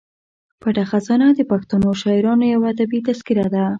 پټه خزانه د پښتنو شاعرانو یوه ادبي تذکره ده.